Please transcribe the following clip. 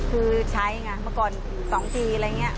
คือใช้ไงเมื่อก่อน๒ทีอะไรอย่างนี้